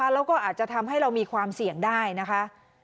แล้วก็อาจจะทำให้เรามีความเสี่ยงได้นะคะ